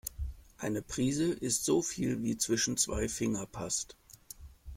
Eine Prise ist so viel, wie zwischen zwei Finger passt.